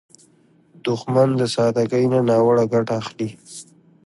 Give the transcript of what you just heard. دښمن د سادګۍ نه ناوړه ګټه اخلي